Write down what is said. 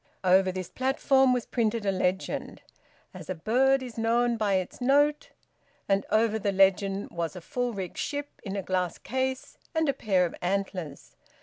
Over this platform was printed a legend: "As a bird is known by its note "; and over the legend was a full rigged ship in a glass case, and a pair of antlers.